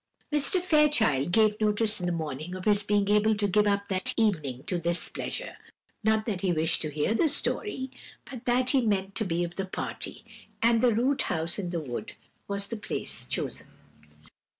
Mr. Fairchild gave notice in the morning of his being able to give up that evening to this pleasure; not that he wished to hear the story, but that he meant to be of the party, and the root house in the wood was the place chosen.